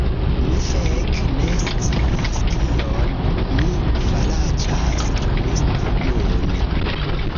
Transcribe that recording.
Mi feke ne scias kion mi faraĉas ĝuste nun!